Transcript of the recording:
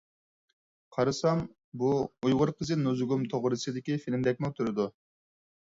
قارىسام بۇ ئۇيغۇر قىزى نۇزۇگۇم توغرىسىدىكى فىلىمدەكمۇ تۇرىدۇ.